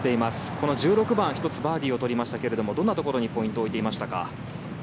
この１６番、１つバーディーを取りましたけれどもどんなところにポイントを置いていましたか？